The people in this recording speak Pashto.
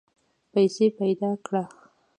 پیسې پیدا کړه.